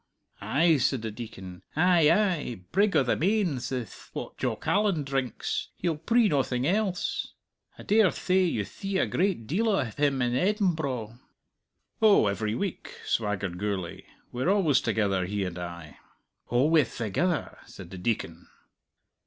'" "Ay," said the Deacon. "Ay, ay! 'Brig o' the Mains' ith what Jock Allan drinks. He'll pree noathing else. I dare thay you thee a great deal of him in Embro." "Oh, every week," swaggered Gourlay. "We're always together, he and I." "Alwayth thegither!" said the Deacon.